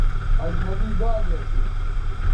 اجنبی گادے اسو